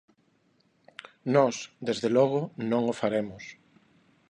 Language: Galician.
Nós desde logo non o faremos.